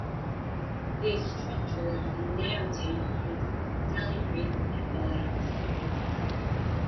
The structure of the narrative is deliberate and balanced.